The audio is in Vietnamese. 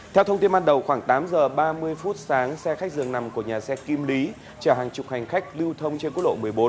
theo thông tin ban đầu khoảng tám giờ ba mươi phút sáng xe khách dường nằm của nhà xe kim lý chở hàng chục hành khách lưu thông trên quốc lộ một mươi bốn